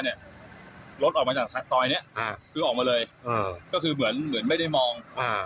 หลอยเนี่ยคือออกมาเลยก็คือเหมือนไม่ได้มอง